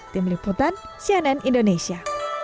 tim liputan cnn indonesia